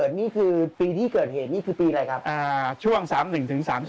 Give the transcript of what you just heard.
ทุกวันนี้ก็ยังมาทำธุรกิจนี้คุณต้องใช้ฉายหนังกลางแปลงใช่ครับ